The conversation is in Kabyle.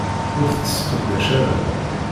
Ur t-tesseqdac ara.